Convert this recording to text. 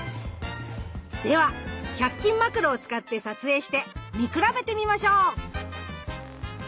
では１００均マクロを使って撮影して見比べてみましょう！